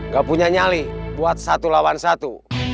gak punya nyali buat satu lawan satu